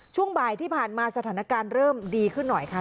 ช่วงบ่ายที่ผ่านมาสถานการณ์เริ่มดีขึ้นหน่อยค่ะ